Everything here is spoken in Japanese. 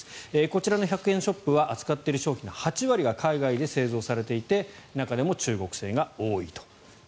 こちらの１００円ショップは扱っている商品の８割が海外で製造されていて中でも中国製が多いと。